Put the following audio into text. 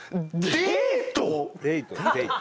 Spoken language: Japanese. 「デート！？」